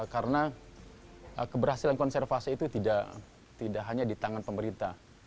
karena keberhasilan konservasi itu tidak hanya di tangan pemerintah